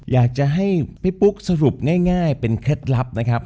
อยากจะให้พี่ปุ๊กสรุปง่ายเป็นเคล็ดลับนะครับ